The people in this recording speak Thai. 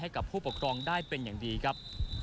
กับผู้ปกครองได้เป็นอย่างดีครับ